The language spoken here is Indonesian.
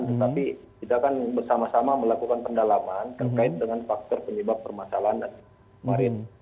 tetapi kita kan bersama sama melakukan pendalaman terkait dengan faktor penyebab permasalahan kemarin